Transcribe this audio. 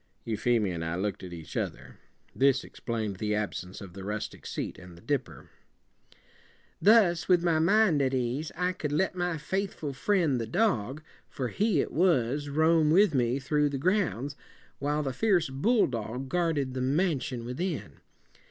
'" Euphemia and I looked at each other. This explained the absence of the rustic seat and the dipper. "'Thus, with my mind at ease, I could let my faith ful fri end, the dog, for he it was, roam with me through the grounds, while the fi erce bulldog guard ed the man si on within.